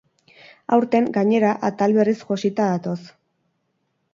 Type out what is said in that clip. Aurten, gainera, atal berriz josita datoz.